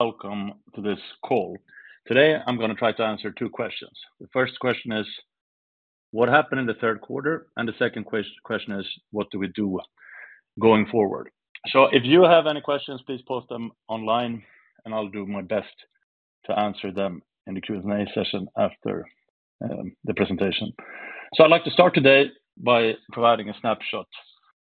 Welcome to this call. Today I'm going to try to answer two questions. The first question is, what happened in the third quarter, and the second question is, what do we do going forward? So if you have any questions, please post them online, and I'll do my best to answer them in the Q&A session after the presentation. So I'd like to start today by providing a snapshot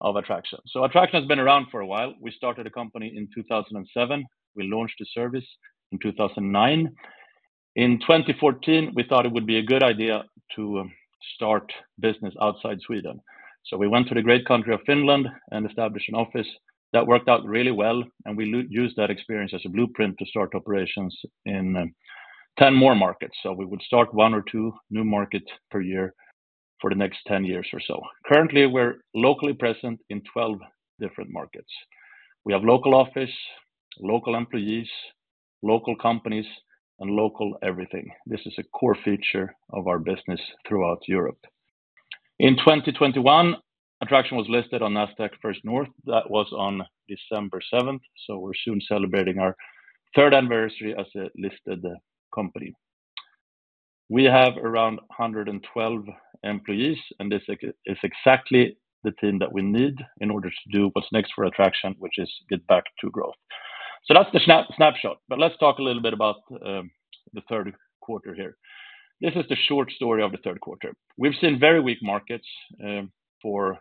of Adtraction. So Adtraction has been around for a while. We started a company in 2007. We launched the service in 2009. In 2014, we thought it would be a good idea to start business outside Sweden. So we went to the great country of Finland and established an office. That worked out really well, and we used that experience as a blueprint to start operations in 10 more markets. So we would start one or two new markets per year for the next 10 years or so. Currently, we're locally present in 12 different markets. We have local office, local employees, local companies, and local everything. This is a core feature of our business throughout Europe. In 2021, Adtraction was listed on Nasdaq First North. That was on December 7th, so we're soon celebrating our third anniversary as a listed company. We have around 112 employees, and this is exactly the team that we need in order to do what's next for Adtraction, which is get back to growth. So that's the snapshot, but let's talk a little bit about the third quarter here. This is the short story of the third quarter. We've seen very weak markets for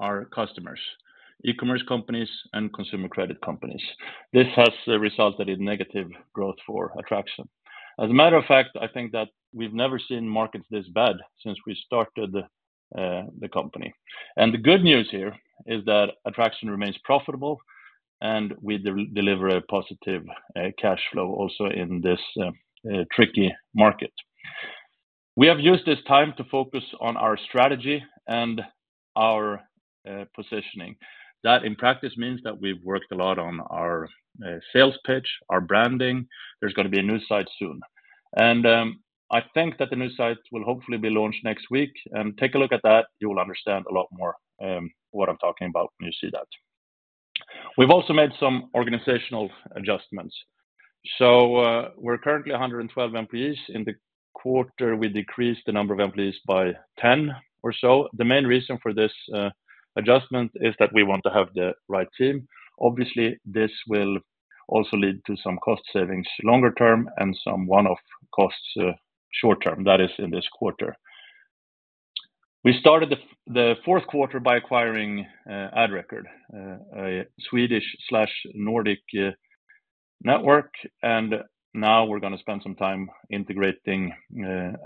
our customers, e-commerce companies, and consumer credit companies. This has resulted in negative growth for Adtraction. As a matter of fact, I think that we've never seen markets this bad since we started the company. The good news here is that Adtraction remains profitable, and we deliver a positive cash flow also in this tricky market. We have used this time to focus on our strategy and our positioning. That, in practice, means that we've worked a lot on our sales pitch, our branding. There's going to be a new site soon. I think that the new site will hopefully be launched next week. Take a look at that. You will understand a lot more what I'm talking about when you see that. We've also made some organizational adjustments. So we're currently 112 employees. In the quarter, we decreased the number of employees by 10 or so. The main reason for this adjustment is that we want to have the right team. Obviously, this will also lead to some cost savings longer term and some one-off costs short term. That is in this quarter. We started the fourth quarter by acquiring Adrecord, a Swedish/Nordic network, and now we're going to spend some time integrating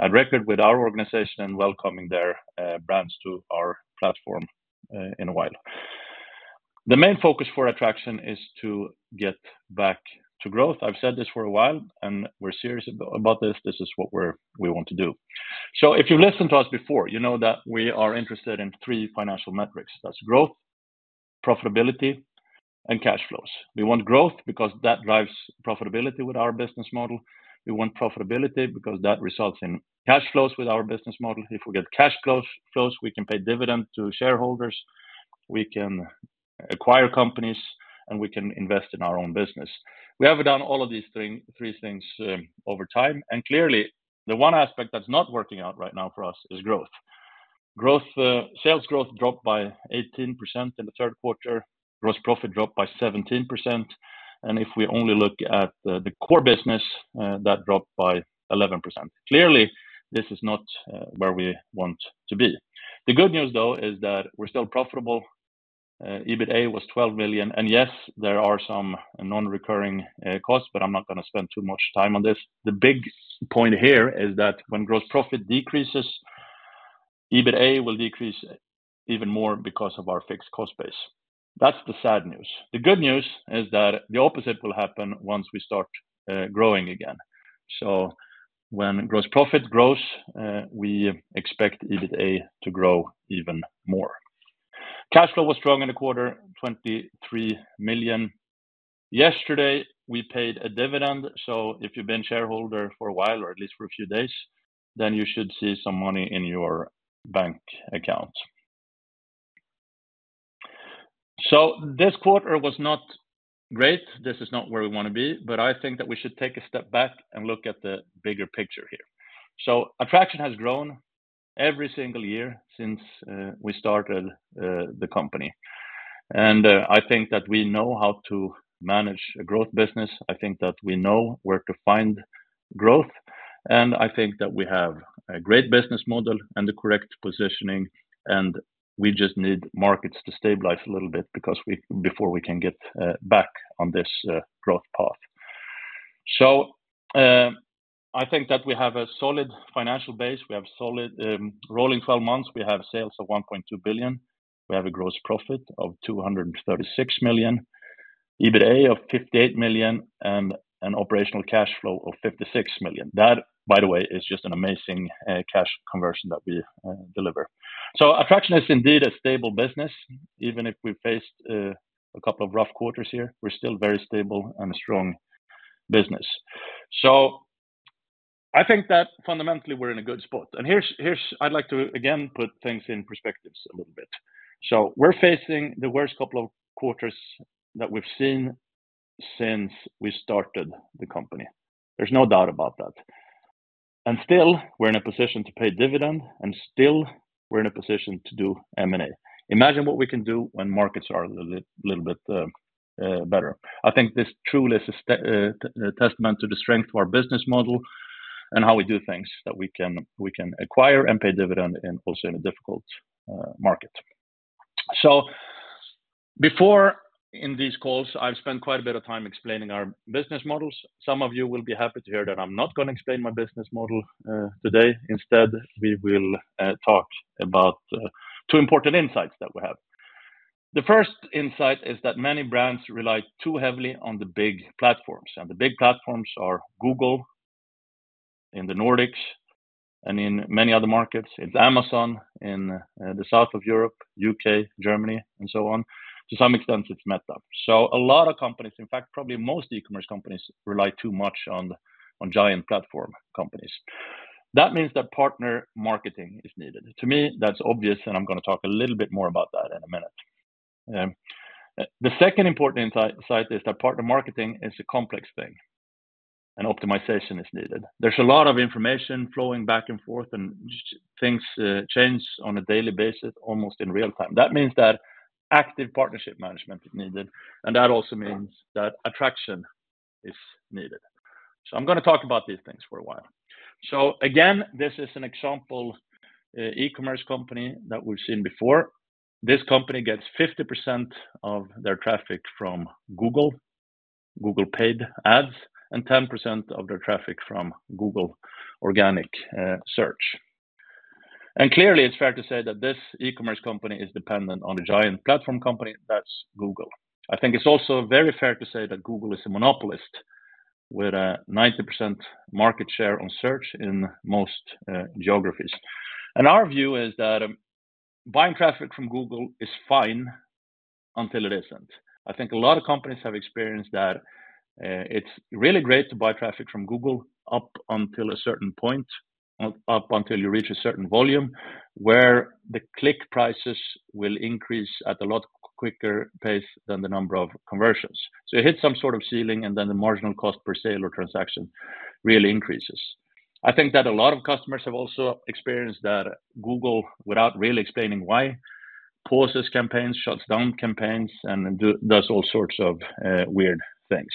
Adrecord with our organization and welcoming their brands to our platform in a while. The main focus for Adtraction is to get back to growth. I've said this for a while, and we're serious about this. This is what we want to do, so if you've listened to us before, you know that we are interested in three financial metrics. That's growth, profitability, and cash flows. We want growth because that drives profitability with our business model. We want profitability because that results in cash flows with our business model. If we get cash flows, we can pay dividends to shareholders. We can acquire companies, and we can invest in our own business. We have done all of these three things over time, and clearly, the one aspect that's not working out right now for us is growth. Sales growth dropped by 18% in the third quarter. Gross profit dropped by 17%, and if we only look at the core business, that dropped by 11%. Clearly, this is not where we want to be. The good news, though, is that we're still profitable. EBITDA was 12 million, and yes, there are some non-recurring costs, but I'm not going to spend too much time on this. The big point here is that when gross profit decreases, EBITDA will decrease even more because of our fixed cost base. That's the sad news. The good news is that the opposite will happen once we start growing again. So when gross profit grows, we expect EBITDA to grow even more. Cash flow was strong in the quarter, 23 million. Yesterday, we paid a dividend. So if you've been a shareholder for a while or at least for a few days, then you should see some money in your bank accounts. So this quarter was not great. This is not where we want to be, but I think that we should take a step back and look at the bigger picture here. So Adtraction has grown every single year since we started the company and I think that we know how to manage a growth business. I think that we know where to find growth and I think that we have a great business model and the correct positioning. We just need markets to stabilize a little bit before we can get back on this growth path. I think that we have a solid financial base. We have solid rolling 12 months. We have sales of 1.2 billion. We have a gross profit of 236 million, EBITDA of 58 million, and an operational cash flow of 56 million. That, by the way, is just an amazing cash conversion that we deliver. Adtraction is indeed a stable business. Even if we faced a couple of rough quarters here, we're still very stable and a strong business. I think that fundamentally we're in a good spot. Here, I'd like to, again, put things in perspective a little bit. We're facing the worst couple of quarters that we've seen since we started the company. There's no doubt about tha, and still, we're in a position to pay dividend, and still, we're in a position to do M&A. Imagine what we can do when markets are a little bit better. I think this truly is a testament to the strength of our business model and how we do things that we can acquire and pay dividend in also in a difficult market. So before in these calls, I've spent quite a bit of time explaining our business models. Some of you will be happy to hear that I'm not going to explain my business model today. Instead, we will talk about two important insights that we have. The first insight is that many brands rely too heavily on the big platforms, and the big platforms are Google in the Nordics and in many other markets. It's Amazon in the south of Europe, U.K., Germany, and so on. To some extent, it's Meta. A lot of companies, in fact, probably most e-commerce companies rely too much on giant platform companies. That means that partner marketing is needed. To me, that's obvious, and I'm going to talk a little bit more about that in a minute. The second important insight is that partner marketing is a complex thing, and optimization is needed. There's a lot of information flowing back and forth, and things change on a daily basis, almost in real time. That means that active partnership management is needed, and that also means that Adtraction is needed. So I'm going to talk about these things for a while. So again, this is an example e-commerce company that we've seen before. This company gets 50% of their traffic from Google, Google paid ads, and 10% of their traffic from Google organic search. Clearly, it’s fair to say that this e-commerce company is dependent on a giant platform company. That’s Google. I think it’s also very fair to say that Google is a monopolist with a 90% market share on search in most geographies. Our view is that buying traffic from Google is fine until it isn’t. I think a lot of companies have experienced that. It’s really great to buy traffic from Google up until a certain point, up until you reach a certain volume where the click prices will increase at a lot quicker pace than the number of conversions. So you hit some sort of ceiling, and then the marginal cost per sale or transaction really increases. I think that a lot of customers have also experienced that Google, without really explaining why, pauses campaigns, shuts down campaigns, and does all sorts of weird things.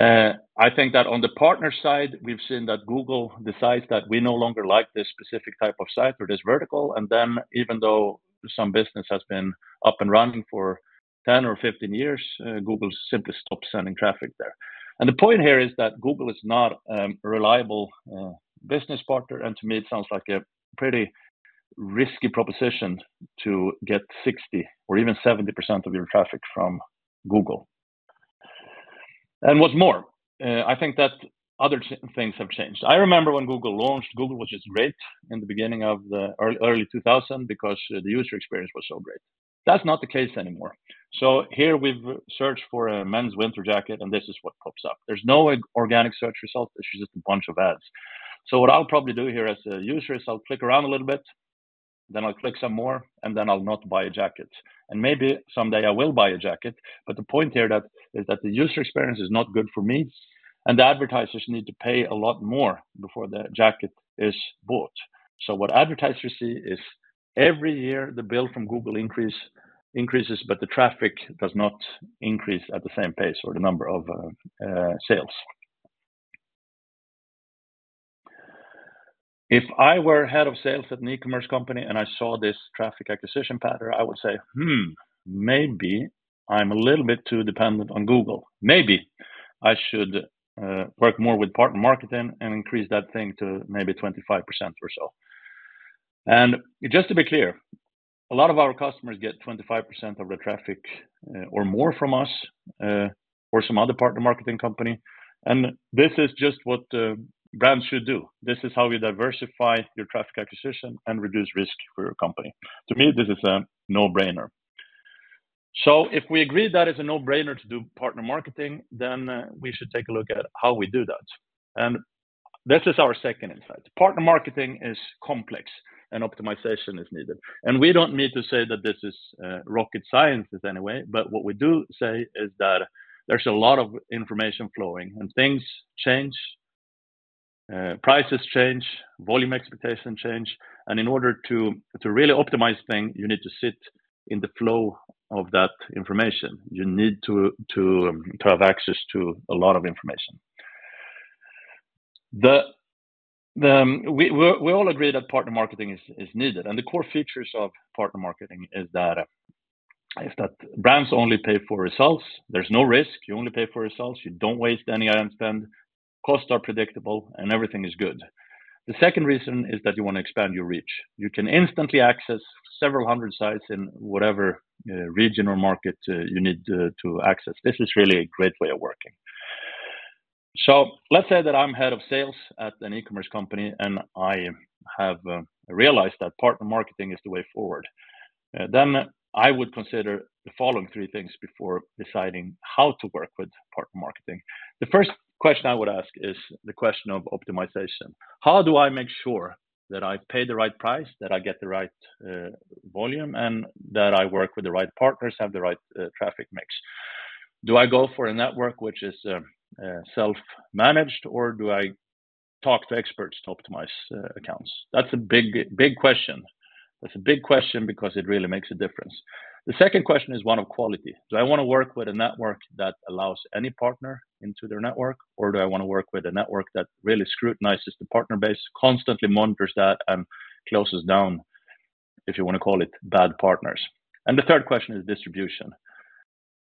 I think that on the partner side, we've seen that Google decides that we no longer like this specific type of site or this vertical. Then, even though some business has been up and running for 10 or 15 years, Google simply stops sending traffic there. The point here is that Google is not a reliable business partner and to me, it sounds like a pretty risky proposition to get 60 or even 70% of your traffic from Google. What's more, I think that other things have changed. I remember when Google launched, Google was just great in the beginning of the early 2000s because the user experience was so great. That's not the case anymore. So here, we've searched for a men's winter jacket, and this is what pops up. There's no organic search results. It's just a bunch of ads. So what I'll probably do here as a user is I'll click around a little bit, then I'll click some more, and then I'll not buy a jacket and maybe someday I will buy a jacket. But the point here is that the user experience is not good for me, and the advertisers need to pay a lot more before the jacket is bought. So what advertisers see is every year the bill from Google increases, but the traffic does not increase at the same pace or the number of sales. If I were head of sales at an e-commerce company and I saw this traffic acquisition pattern, I would say, maybe I'm a little bit too dependent on Google. Maybe I should work more with partner marketing and increase that thing to maybe 25% or so. Just to be clear, a lot of our customers get 25% of their traffic or more from us or some other partner marketing company. This is just what brands should do. This is how you diversify your traffic acquisition and reduce risk for your company. To me, this is a no-brainer. If we agree that it's a no-brainer to do partner marketing, then we should take a look at how we do that. This is our second insight. Partner marketing is complex, and optimization is needed. We don't need to say that this is rocket science in any way, but what we do say is that there's a lot of information flowing, and things change. Prices change, volume expectations change. In order to really optimize things, you need to sit in the flow of that information. You need to have access to a lot of information. We all agree that partner marketing is needed, and the core features of partner marketing is that brands only pay for results. There's no risk. You only pay for results. You don't waste any ad spend. Costs are predictable, and everything is good. The second reason is that you want to expand your reach. You can instantly access several hundred sites in whatever region or market you need to access. This is really a great way of working, so let's say that I'm head of sales at an e-commerce company, and I have realized that partner marketing is the way forward, then I would consider the following three things before deciding how to work with partner marketing. The first question I would ask is the question of optimization. How do I make sure that I pay the right price, that I get the right volume, and that I work with the right partners, have the right traffic mix? Do I go for a network which is self-managed, or do I talk to experts to optimize accounts? That's a big question. That's a big question because it really makes a difference. The second question is one of quality. Do I want to work with a network that allows any partner into their network, or do I want to work with a network that really scrutinizes the partner base, constantly monitors that, and closes down, if you want to call it, bad partners? The third question is distribution.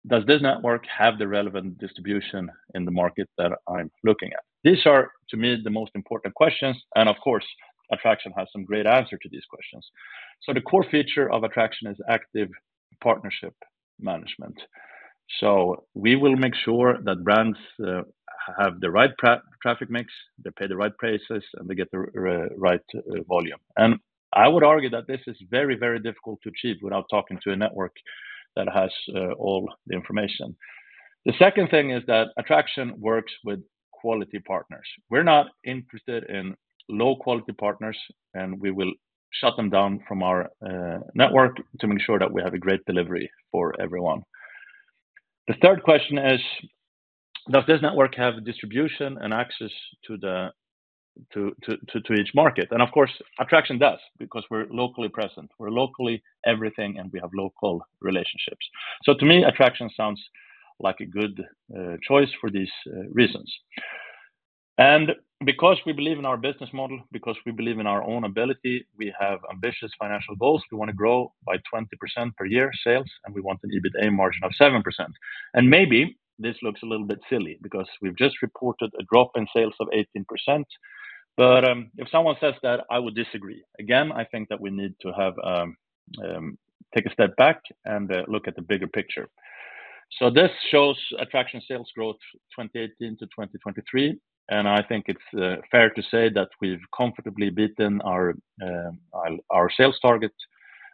Does this network have the relevant distribution in the market that I'm looking at? These are, to me, the most important questions and of course, Adtraction has some great answers to these questions. So the core feature of Adtraction is active partnership management. So we will make sure that brands have the right traffic mix, they pay the right prices, and they get the right volume. I would argue that this is very, very difficult to achieve without talking to a network that has all the information. The second thing is that Adtraction works with quality partners. We're not interested in low-quality partners, and we will shut them down from our network to make sure that we have a great delivery for everyone. The third question is, does this network have distribution and access to each market? Of course, Adtraction does because we're locally present. We're locally everything, and we have local relationships. So to me, Adtraction sounds like a good choice for these reasons and because we believe in our business model, because we believe in our own ability, we have ambitious financial goals. We want to grow by 20% per year sales, and we want an EBITDA margin of 7%. Maybe this looks a little bit silly because we've just reported a drop in sales of 18%, but if someone says that, I would disagree. Again, I think that we need to take a step back and look at the bigger picture. So this shows Adtraction sales growth 2018 to 2023, and I think it's fair to say that we've comfortably beaten our sales target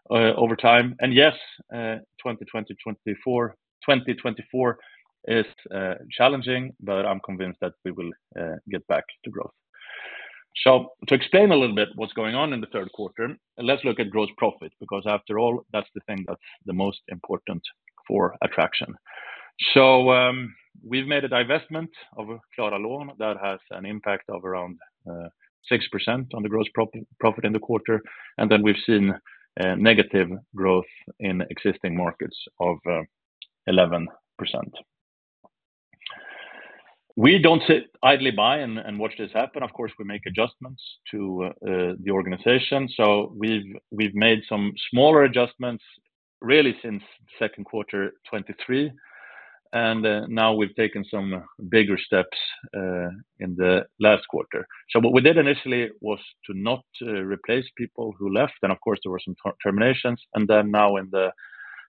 over time. Yes, 2024 is challenging, but I'm convinced that we will get back to growth. So to explain a little bit what's going on in the third quarter, let's look at gross profit because after all, that's the thing that's the most important for Adtraction. We've made a divestment of Klar that has an impact of around 6% on the gross profit in the quarter. Then we've seen negative growth in existing markets of 11%. We don't sit idly by and watch this happen. Of course, we make adjustments to the organization. We've made some smaller adjustments really since second quarter 2023 and now we've taken some bigger steps in the last quarter. What we did initially was to not replace people who left and of course, there were some terminations. Then now in the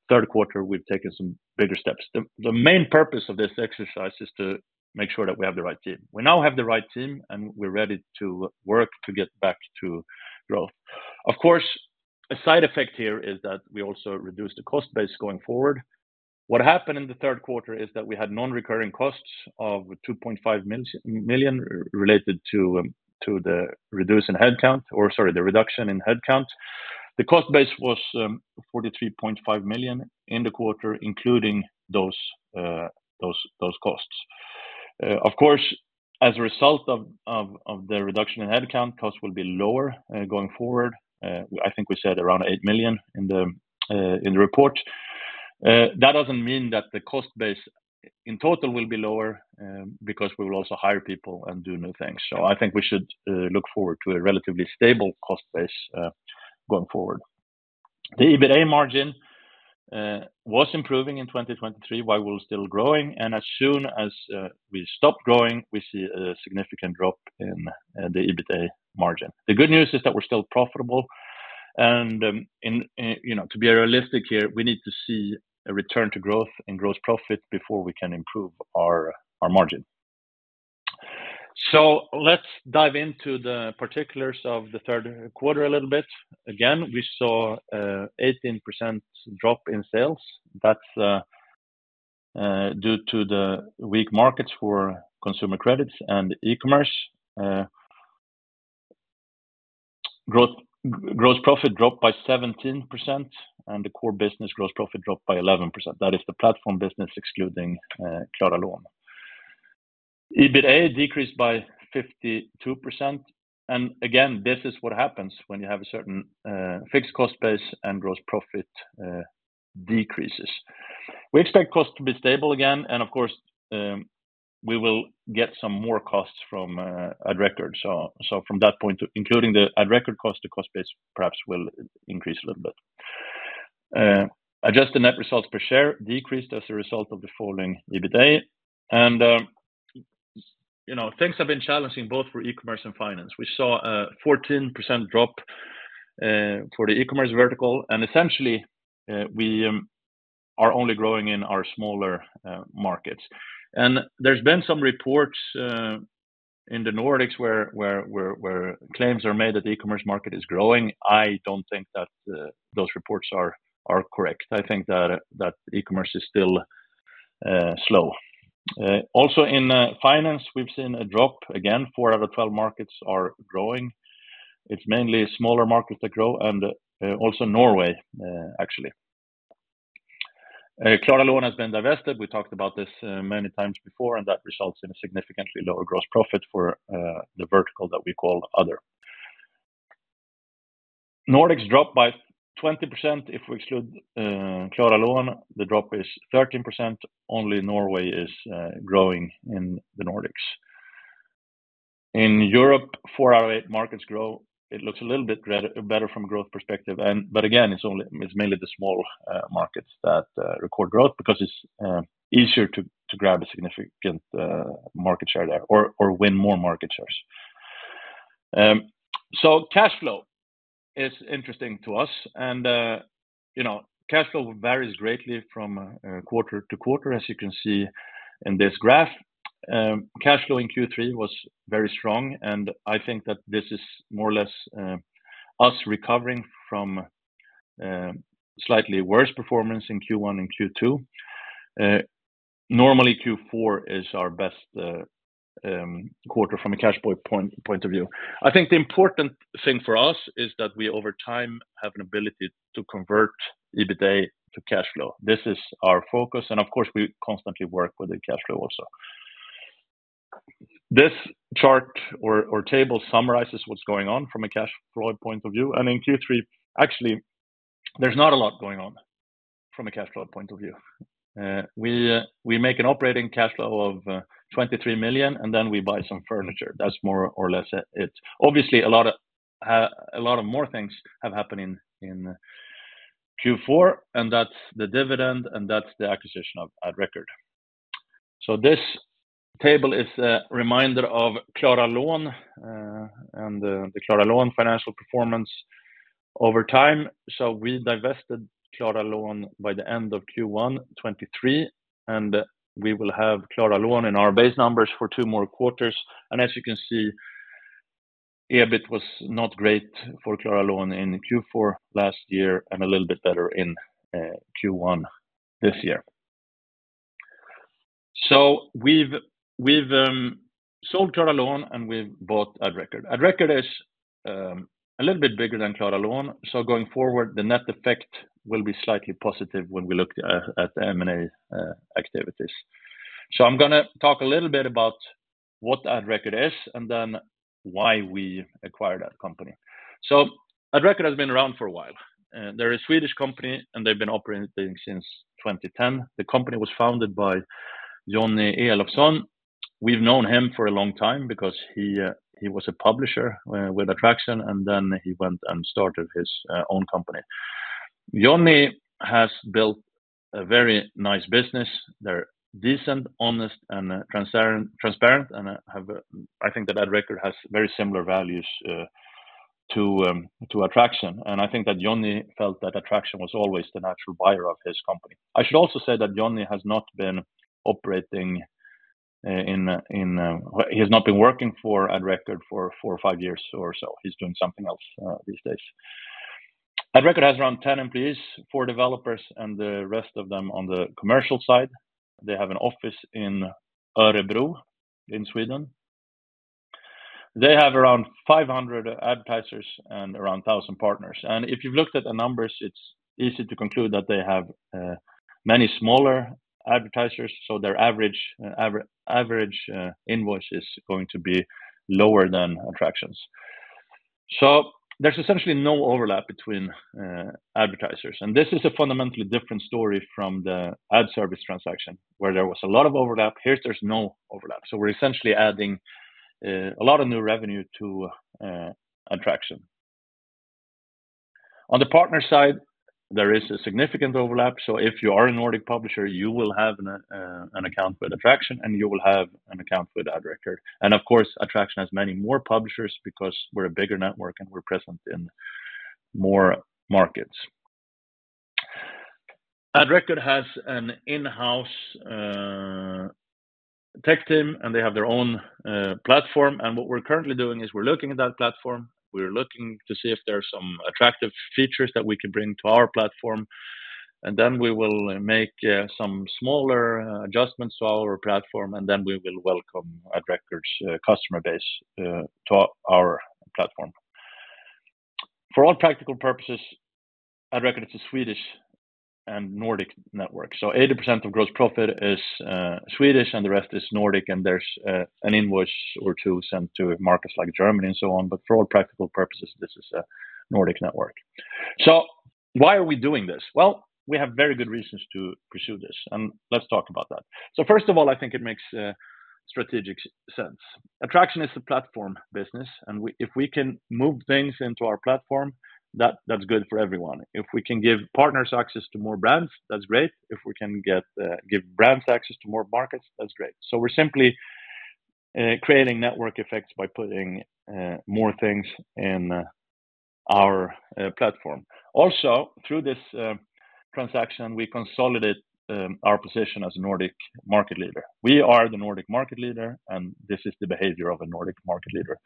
third quarter, we've taken some bigger steps. The main purpose of this exercise is to make sure that we have the right team. We now have the right team, and we're ready to work to get back to growth. Of course, a side effect here is that we also reduce the cost base going forward. What happened in the third quarter is that we had non-recurring costs of 2.5 million related to the reduced in headcount or, sorry, the reduction in headcount. The cost base was 43.5 million in the quarter, including those costs. Of course, as a result of the reduction in headcount, costs will be lower going forward. I think we said around 8 million in the report. That doesn't mean that the cost base in total will be lower because we will also hire people and do new things. So I think we should look forward to a relatively stable cost base going forward. The EBITDA margin was improving in 2023 while we were still growing and as soon as we stopped growing, we see a significant drop in the EBITDA margin. The good news is that we're still profitable, and to be realistic here, we need to see a return to growth and gross profit before we can improve our margin. So let's dive into the particulars of the third quarter a little bit. Again, we saw an 18% drop in sales. That's due to the weak markets for consumer credits and e-commerce. Gross profit dropped by 17%, and the core business gross profit dropped by 11%. That is the platform business excluding Klar. EBITDA decreased by 52%, and again, this is what happens when you have a certain fixed cost base and gross profit decreases. We expect costs to be stable again, and of course, we will get some more costs from Adrecord, so from that point, including the Adrecord cost, the cost base perhaps will increase a little bit. Adjusted net results per share decreased as a result of the falling EBITDA, and things have been challenging both for e-commerce and finance. We saw a 14% drop for the e-commerce vertical, and essentially, we are only growing in our smaller markets, and there's been some reports in the Nordics where claims are made that the e-commerce market is growing. I don't think that those reports are correct. I think that e-commerce is still slow. Also, in finance, we've seen a drop. Again, four out of 12 markets are growing. It's mainly smaller markets that grow, and also Norway, actually. Klar has been divested. We talked about this many times before, and that results in a significantly lower gross profit for the vertical that we call Other. Nordics dropped by 20%. If we exclude Klar, the drop is 13%. Only Norway is growing in the Nordics. In Europe, four out of eight markets grow. It looks a little bit better from a growth perspective. But again, it's mainly the small markets that record growth because it's easier to grab a significant market share there or win more market shares. So cash flow is interesting to us and cash flow varies greatly from quarter to quarter, as you can see in this graph. Cash flow in Q3 was very strong and I think that this is more or less us recovering from slightly worse performance in Q1 and Q2. Normally, Q4 is our best quarter from a cash point of view. I think the important thing for us is that we, over time, have an ability to convert EBITDA to cash flow. This is our focus and of course, we constantly work with the cash flow also. This chart or table summarizes what's going on from a cash flow point of view. In Q3, actually, there's not a lot going on from a cash flow point of view. We make an operating cash flow of 23 million, and then we buy some furniture. That's more or less it. Obviously, a lot of more things have happened in Q4, and that's the dividend, and that's the acquisition of Adrecord. This table is a reminder of Klar and the Klar financial performance over time. We divested Klar by the end of Q1 2023, and we will have Klar in our base numbers for two more quarters. As you can see, EBITDA was not great for Klar in Q4 last year and a little bit better in Q1 this year. We've sold Klar, and we've bought Adrecord. Adrecord is a little bit bigger than Klar. So going forward, the net effect will be slightly positive when we look at the M&A activities. So I'm going to talk a little bit about what Adrecord is and then why we acquired that company. So Adrecord has been around for a while. They're a Swedish company, and they've been operating since 2010. The company was founded by Jonny Elofsson. We've known him for a long time because he was a publisher with Adtraction, and then he went and started his own company. Jonny has built a very nice business. They're decent, honest, and transparent and I think that Adrecord has very similar values to Adtraction. I think that Jonny felt that Adtraction was always the natural buyer of his company. I should also say that Jonny has not been working for Adrecord for four or five years or so. He's doing something else these days. Adrecord has around 10 employees, four developers, and the rest of them on the commercial side. They have an office in Örebro in Sweden. They have around 500 advertisers and around 1,000 partners. If you've looked at the numbers, it's easy to conclude that they have many smaller advertisers. So their average invoice is going to be lower than Adtraction's. So there's essentially no overlap between advertisers and this is a fundamentally different story from the Adservice transaction, where there was a lot of overlap. Here, there's no overlap. So we're essentially adding a lot of new revenue to Adtraction. On the partner side, there is a significant overlap. So if you are a Nordic publisher, you will have an account with Adtraction, and you will have an account with Adrecord. Of course, Adtraction has many more publishers because we're a bigger network, and we're present in more markets. Adrecord has an in-house tech team, and they have their own platform and what we're currently doing is we're looking at that platform. We're looking to see if there are some attractive features that we can bring to our platform. Then we will make some smaller adjustments to our platform, and then we will welcome Adrecord's customer base to our platform. For all practical purposes, Adrecord is a Swedish and Nordic network. So 80% of gross profit is Swedish, and the rest is Nordic and there's an invoice or two sent to markets like Germany and so on. But for all practical purposes, this is a Nordic network. Why are we doing this? We have very good reasons to pursue this. Let's talk about that. First of all, I think it makes strategic sense. Adtraction is a platform business. If we can move things into our platform, that's good for everyone. If we can give partners access to more brands, that's great. If we can give brands access to more markets, that's great. We're simply creating network effects by putting more things in our platform. Also, through this transaction, we consolidate our position as a Nordic market leader. We are the Nordic market leader, and this is the behavior of a Nordic market leader.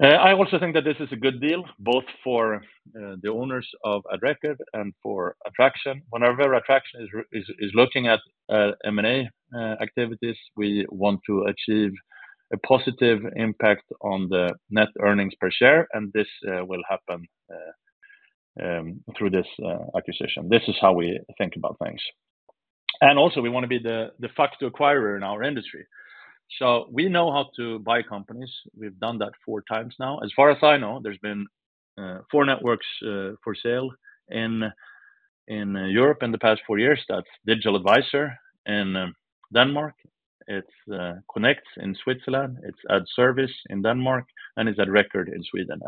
I also think that this is a good deal both for the owners of Adrecord and for Adtraction. Whenever Adtraction is looking at M&A activities, we want to achieve a positive impact on the net earnings per share. This will happen through this acquisition. This is how we think about things. Also, we want to be the fastest acquirer in our industry. We know how to buy companies. We've done that four times now. As far as I know, there's been four networks for sale in Europe in the past four years. That's Digital Advisor in Denmark. It's Connects in Switzerland. It's Adservice in Denmark, and it's Adrecord in Sweden.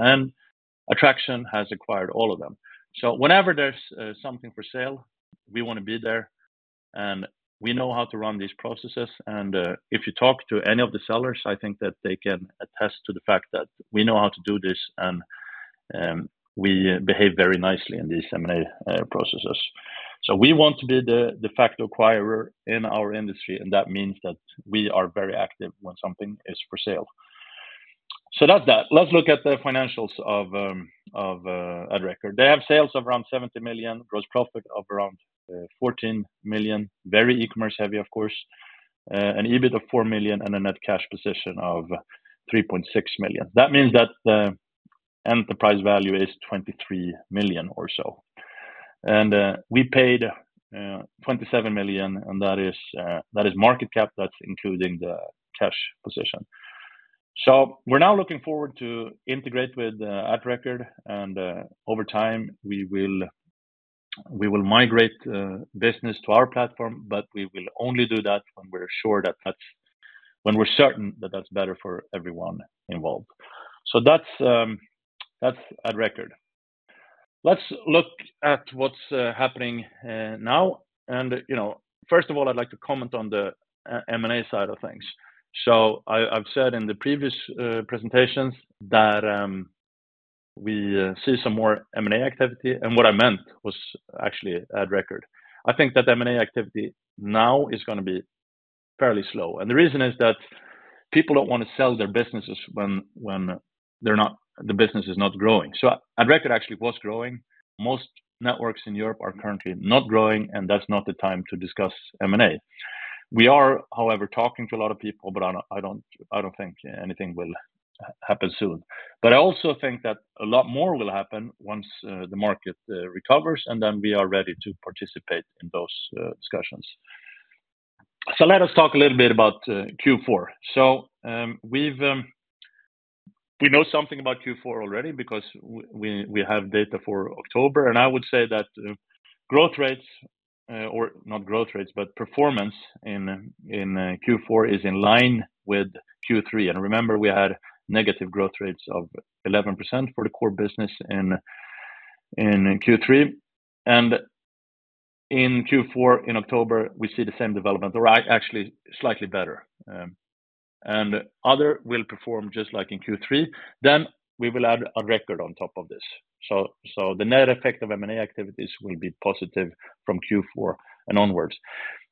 Adtraction has acquired all of them. Whenever there's something for sale, we want to be there. We know how to run these processes. If you talk to any of the sellers, I think that they can attest to the fact that we know how to do this, and we behave very nicely in these M&A processes. We want to be the fastest acquirer in our industry and that means that we are very active when something is for sale. So that's that. Let's look at the financials of Adrecord. They have sales of around 70 million, gross profit of around 14 million, very e-commerce heavy, of course, an EBITDA of 4 million, and a net cash position of 3.6 million. That means that the enterprise value is 23 million or so. We paid 27 million, and that is market cap. That's including the cash position. So we're now looking forward to integrate with Adrecord and over time, we will migrate business to our platform, but we will only do that when we're sure that that's when we're certain that that's better for everyone involved. So that's Adrecord. Let's look at what's happening now and first of all, I'd like to comment on the M&A side of things. So I've said in the previous presentations that we see some more M&A activity and what I meant was actually Adrecord. I think that M&A activity now is going to be fairly slow. The reason is that people don't want to sell their businesses when the business is not growing. So Adrecord actually was growing. Most networks in Europe are currently not growing, and that's not the time to discuss M&A. We are, however, talking to a lot of people, but I don't think anything will happen soon. But I also think that a lot more will happen once the market recovers, and then we are ready to participate in those discussions. So let us talk a little bit about Q4. So we know something about Q4 already because we have data for October. I would say that growth rates, or not growth rates, but performance in Q4 is in line with Q3 and remember, we had negative growth rates of 11% for the core business in Q3. In Q4, in October, we see the same development, or actually slightly better. Other will perform just like in Q3. Then we will add Adrecord on top of this. So the net effect of M&A activities will be positive from Q4 and onwards.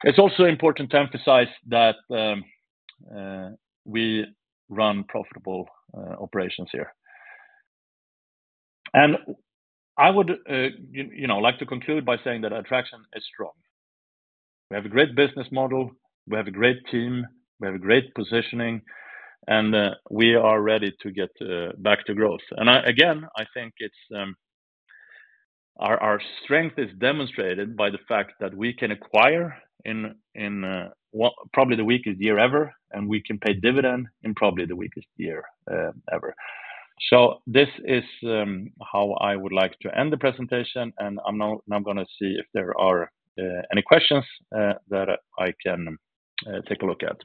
It's also important to emphasize that we run profitable operations here. I would like to conclude by saying that Adtraction is strong. We have a great business model. We have a great team. We have a great positioning and we are ready to get back to growth. Again, I think our strength is demonstrated by the fact that we can acquire in probably the weakest year ever, and we can pay dividend in probably the weakest year ever. So this is how I would like to end the presentation and I'm now going to see if there are any questions that I can take a look at.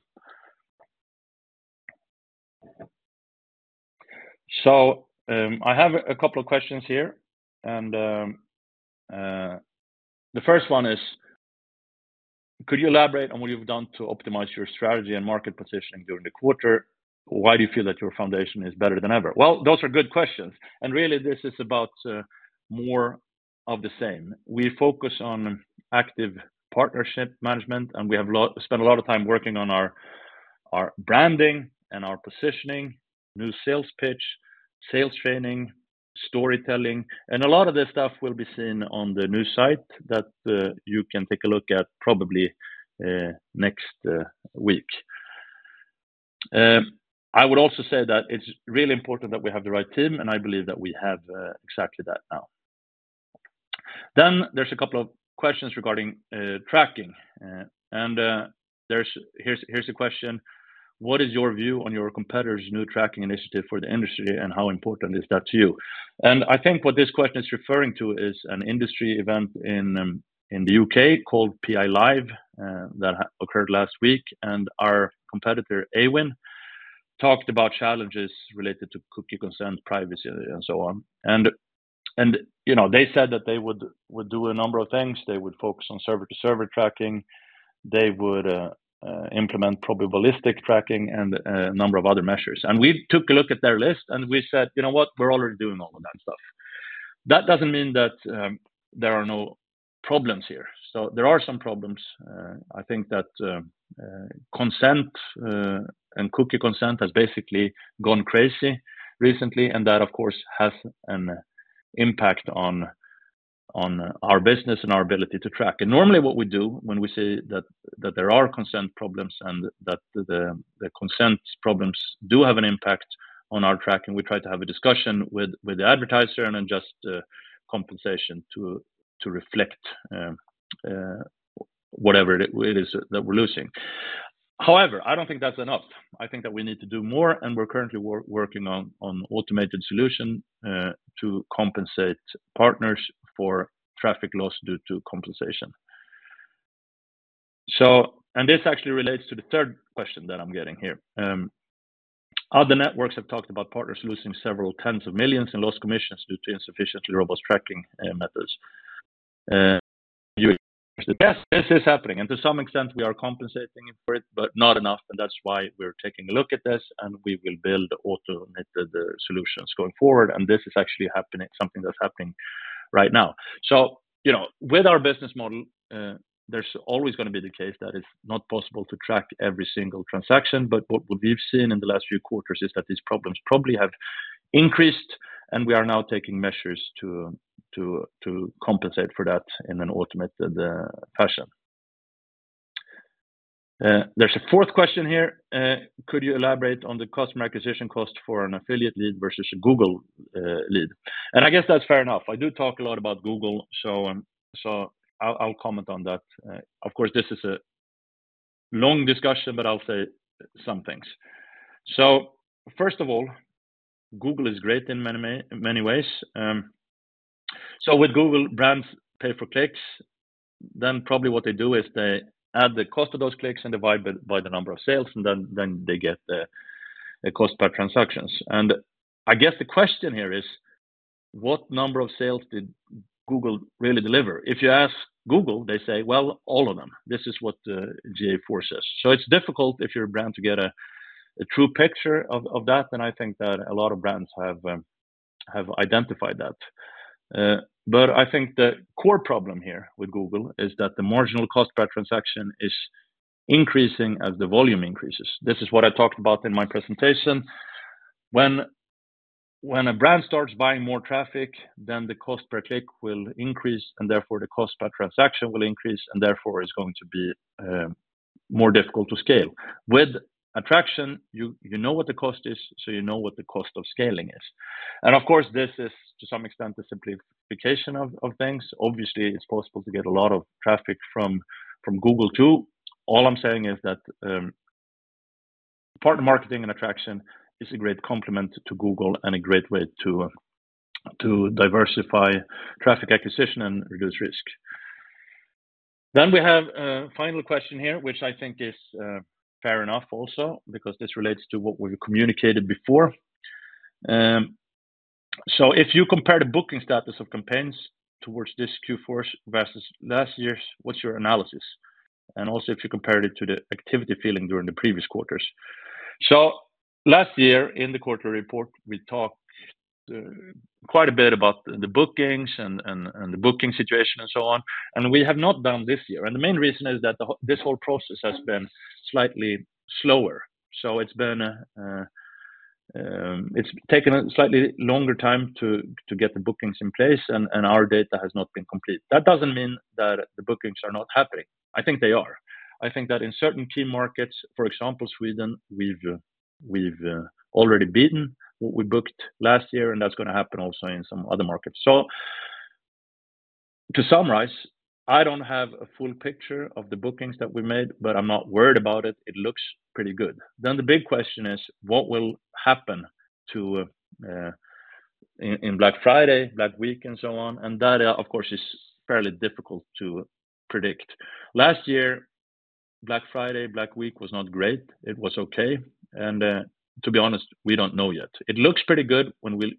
So I have a couple of questions here and the first one is, could you elaborate on what you've done to optimize your strategy and market positioning during the quarter? Why do you feel that your foundation is better than ever? Well, those are good questions. Really, this is about more of the same. We focus on active partnership management, and we have spent a lot of time working on our branding and our positioning, new sales pitch, sales training, storytelling. A lot of this stuff will be seen on the news site that you can take a look at probably next week. I would also say that it's really important that we have the right team, and I believe that we have exactly that now. There’s a couple of questions regarding tracking. Here's a question. What is your view on your competitor's new tracking initiative for the industry, and how important is that to you? I think what this question is referring to is an industry event in the U.K. called PI LIVE that occurred last week. Our competitor, Awin, talked about challenges related to cookie consent, privacy, and so on. They said that they would do a number of things. They would focus on server-to-server tracking. They would implement probabilistic tracking and a number of other measures. We took a look at their list, and we said, "You know what? We're already doing all of that stuff." That doesn't mean that there are no problems here. So there are some problems. I think that consent and cookie consent has basically gone crazy recently, and that, of course, has an impact on our business and our ability to track. Normally, what we do when we see that there are consent problems and that the consent problems do have an impact on our tracking, we try to have a discussion with the advertiser and adjust the compensation to reflect whatever it is that we're losing. However, I don't think that's enough. I think that we need to do more, and we're currently working on an automated solution to compensate partners for traffic loss due to consent. This actually relates to the third question that I'm getting here. Other networks have talked about partners losing several tens of millions in lost commissions due to insufficiently robust tracking methods. Yes, this is happening. To some extent, we are compensating for it, but not enough. That's why we're taking a look at this, and we will build automated solutions going forward. This is actually something that's happening right now. With our business model, there's always going to be the case that it's not possible to track every single transaction. What we've seen in the last few quarters is that these problems probably have increased, and we are now taking measures to compensate for that in an automated fashion. There's a fourth question here. Could you elaborate on the customer acquisition cost for an affiliate lead versus a Google lead? I guess that's fair enough. I do talk a lot about Google, so I'll comment on that. Of course, this is a long discussion, but I'll say some things. So first of all, Google is great in many ways. So with Google, brands pay for clicks. Then probably what they do is they add the cost of those clicks and divide by the number of sales, and then they get the cost per transactions. I guess the question here is, what number of sales did Google really deliver? If you ask Google, they say, "Well, all of them." This is what GA4 says. So it's difficult if you're a brand to get a true picture of that and I think that a lot of brands have identified that. But I think the core problem here with Google is that the marginal cost per transaction is increasing as the volume increases. This is what I talked about in my presentation. When a brand starts buying more traffic, then the cost per click will increase, and therefore the cost per transaction will increase, and therefore it's going to be more difficult to scale. With Adtraction, you know what the cost is, so you know what the cost of scaling is. Of course, this is to some extent the simplification of things. Obviously, it's possible to get a lot of traffic from Google too. All I'm saying is that partner marketing and Adtraction is a great complement to Google and a great way to diversify traffic acquisition and reduce risk. Then we have a final question here, which I think is fair enough also because this relates to what we've communicated before. So if you compare the booking status of campaigns towards this Q4 versus last year, what's your analysis? Also if you compare it to the activity feeling during the previous quarters. So last year, in the quarter report, we talked quite a bit about the bookings and the booking situation and so on and we have not done this year. The main reason is that this whole process has been slightly slower. So it's taken a slightly longer time to get the bookings in place, and our data has not been complete. That doesn't mean that the bookings are not happening. I think they are. I think that in certain key markets, for example, Sweden, we've already beaten what we booked last year, and that's going to happen also in some other markets. So to summarize, I don't have a full picture of the bookings that we made, but I'm not worried about it. It looks pretty good. Then the big question is, what will happen in Black Friday, Black Week, and so on? That, of course, is fairly difficult to predict. Last year, Black Friday, Black Week was not great. It was okay and to be honest, we don't know yet. It looks pretty good when we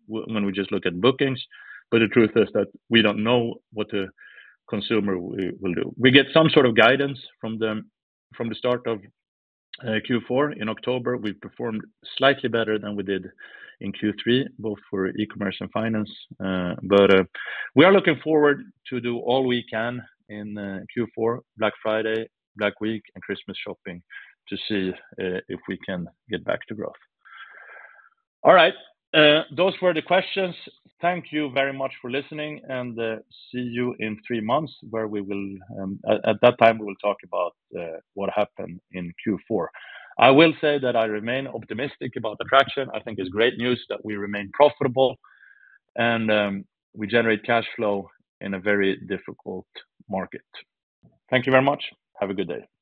just look at bookings, but the truth is that we don't know what the consumer will do. We get some sort of guidance from the start of Q4. In October, we performed slightly better than we did in Q3, both for e-commerce and finance. But we are looking forward to do all we can in Q4, Black Friday, Black Week, and Christmas shopping to see if we can get back to growth. All right. Those were the questions. Thank you very much for listening, and see you in three months where we will, at that time, we will talk about what happened in Q4. I will say that I remain optimistic about Adtraction. I think it's great news that we remain profitable and we generate cash flow in a very difficult market. Thank you very much. Have a good day.